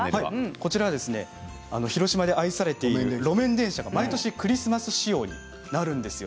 こちらは広島で愛されている路面電車が毎年クリスマス仕様になります。